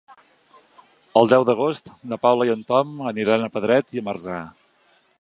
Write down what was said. El deu d'agost na Paula i en Tom aniran a Pedret i Marzà.